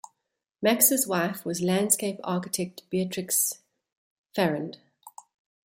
Max's wife was landscape architect Beatrix Farrand.